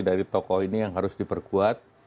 dari tokoh ini yang harus diperkuat